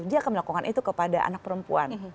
dia akan melakukan itu kepada anak perempuan